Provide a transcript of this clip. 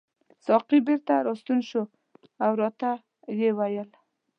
ساقي بیرته راستون شو او راته یې وویل.